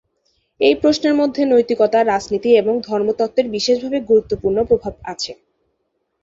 এই প্রশ্নের মধ্যে নৈতিকতা, রাজনীতি, এবং ধর্মতত্ত্বের বিশেষভাবে গুরুত্বপূর্ণ প্রভাব আছে।